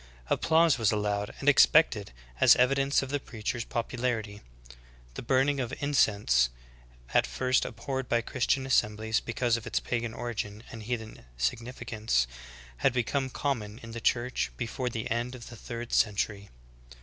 Applause was allowed and expected as evidence of the preacher's popularity. The burning of in cense, at first abhorred by Christian assemblies because of its pagan origin and heathen significance, had become com mon in the Church before the end of the third century.